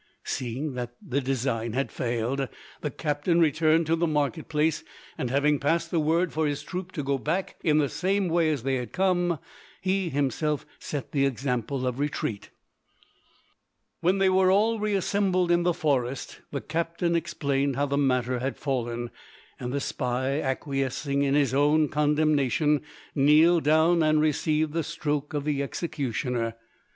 Seeing that the design had failed, the captain returned to the market place, and having passed the word for his troop to go back in the same way as they had come, he himself set the example of retreat. When they were all reassembled in the forest, the captain explained how the matter had fallen, and the spy, acquiescing in his own condemnation, kneeled down and received the stroke of the executioner.